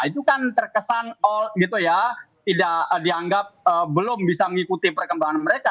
itu kan terkesan tidak dianggap belum bisa mengikuti perkembangan mereka